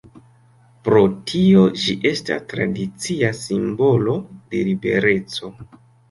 Pro tio, ĝi estas tradicia simbolo de libereco.